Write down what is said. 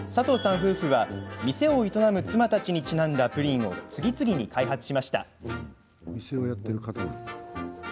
夫婦は店を営む妻たちにちなんだプリンを次々に開発しました。